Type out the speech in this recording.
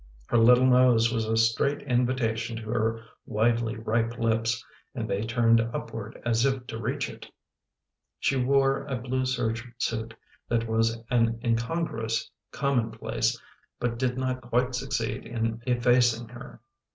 Her little nose was a straight invitation to her widely ripe lips and they turned upward as if to reach it. She wore a blue serge suit that was an incongruous commonplace but did not quite succeed in effacing her.